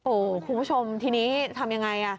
โอ้คุณผู้ชมที่นี้ทำอย่างไร